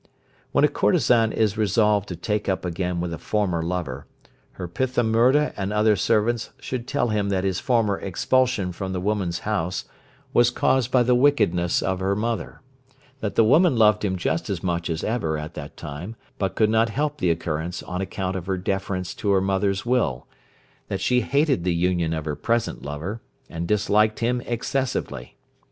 When a courtesan is resolved to take up again with a former lover, her Pithamurda and other servants should tell him that his former expulsion from the woman's house was caused by the wickedness of her mother; that the woman loved him just as much as ever at that time, but could not help the occurrence on account of her deference to her mother's will; that she hated the union of her present lover, and disliked him excessively.